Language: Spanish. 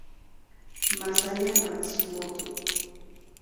Masaya Matsumoto